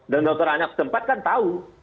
dan dokter anak setempat kan tahu